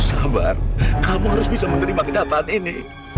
sabar kamu harus bisa menerima kejahatan ini